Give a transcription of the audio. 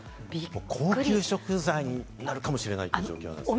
高級食材になるかもしれない状況ですよね。